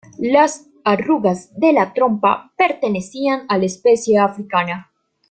Las arrugas de la trompa pertenecían a la especie africana.